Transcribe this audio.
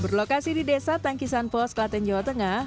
berlokasi di desa tangkisan pos klaten jawa tengah